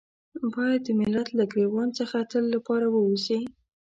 بايد د ملت له ګرېوان څخه د تل لپاره ووځي.